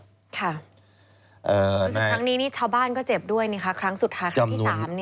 รู้สึกครั้งนี้นี่ชาวบ้านก็เจ็บด้วยครั้งสุดท้ายครั้งที่๓